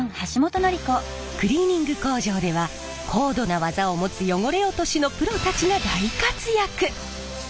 クリーニング工場では高度な技を持つ汚れ落としのプロたちが大活躍！